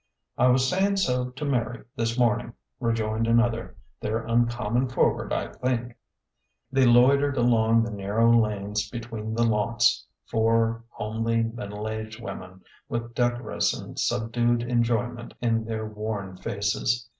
" I was sayin' so to Mary this mornm'," rejoined another. " They're uncommon forward, I think." They loitered along the narrow lanes between the lots four homely, middle aged women, with decorous and sub dued enjoyment in their worn faces.